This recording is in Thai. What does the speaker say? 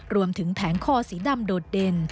รวมถึงแผงคอสีดำโดดเด่น